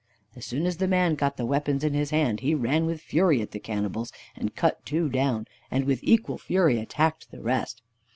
As soon as the man got the weapons in his hands, he ran with fury at the cannibals and cut two down, and with equal fury attacked the rest.